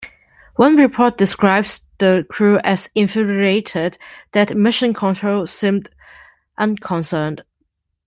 One report describes the crew as "infuriated" that Mission Control seemed unconcerned.